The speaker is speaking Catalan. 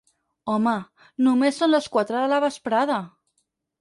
Home, només són les quatre de la vesprada.